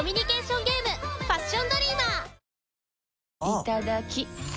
いただきっ！